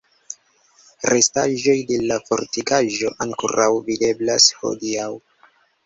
Restaĵoj de la fortikaĵo ankoraŭ videblas hodiaŭ.